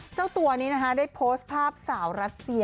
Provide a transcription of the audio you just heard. เจ้าตัวนี้นะคะได้โพสต์ภาพสาวรัสเซีย